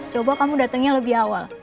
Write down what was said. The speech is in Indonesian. coba kamu datangnya lebih awal